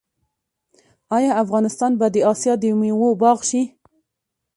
آیا افغانستان به د اسیا د میوو باغ شي؟